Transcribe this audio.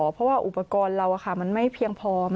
เพราะว่าอุปกรณ์เรามันไม่เพียงพอ